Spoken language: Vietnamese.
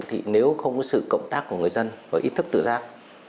thì nếu không có sự cộng tác của người dân và ý thức tự giác